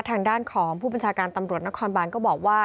ทางด้านของผู้บัญชาการตำรวจนครบานก็บอกว่า